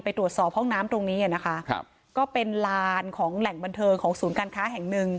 ตรวจสอบห้องน้ำตรงนี้อ่ะนะคะครับก็เป็นลานของแหล่งบันเทิงของศูนย์การค้าแห่งหนึ่ง